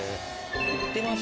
いってます？